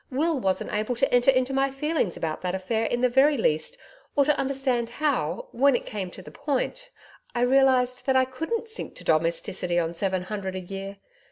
Will wasn't able to enter into my feelings about that affair in the very least or to understand how, when it came to the point, I realised that I COULDN'T sink to domesticity on seven hundred a year.